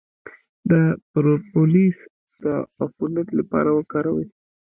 د پروپولیس د عفونت لپاره وکاروئ